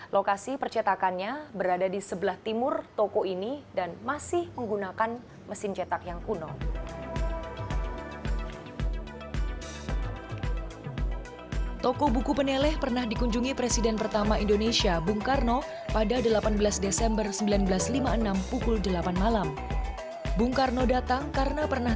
lokasi percetakannya berada di sebelah timur toko buku peneleh